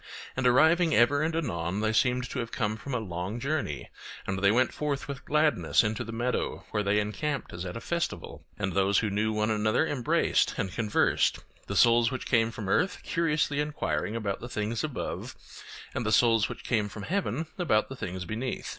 And arriving ever and anon they seemed to have come from a long journey, and they went forth with gladness into the meadow, where they encamped as at a festival; and those who knew one another embraced and conversed, the souls which came from earth curiously enquiring about the things above, and the souls which came from heaven about the things beneath.